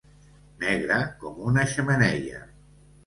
Negre com una xemeneia.